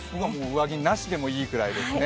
上着なしでもいいくらいですね。